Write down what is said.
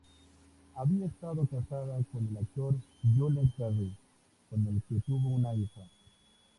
Había estado casada con el actor Jules Berry, con el que tuvo una hija.